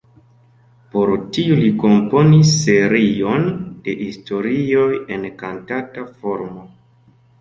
Por tiu li komponis serion de historioj en kantata formo.